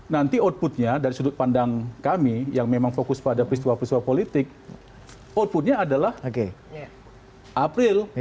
nanti outputnya dari sudut pandang kami yang memang fokus pada peristiwa peristiwa politik outputnya adalah april